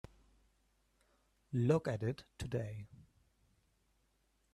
Look at it today.